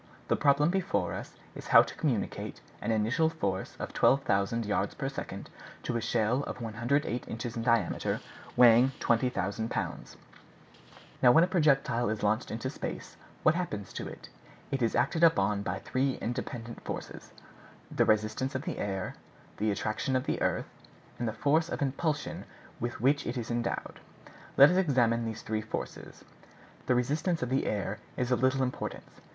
The problem before us is how to communicate an initial force of 12,000 yards per second to a shell of 108 inches in diameter, weighing 20,000 pounds. Now when a projectile is launched into space, what happens to it? It is acted upon by three independent forces: the resistance of the air, the attraction of the earth, and the force of impulsion with which it is endowed. Let us examine these three forces. The resistance of the air is of little importance.